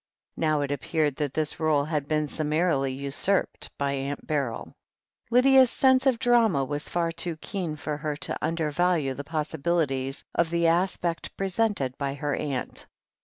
Now it appeared that this role had been summarily usurped by Aunt "Beryl. Lydia's sense of drama was far too keen for her to undervalue the possibilities of the aspect presented by her aunt.